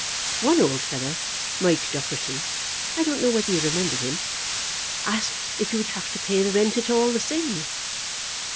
One old fellow, Mike Dufferty, I don't know whether you remember him, asked if he would have to pay the rent all the same.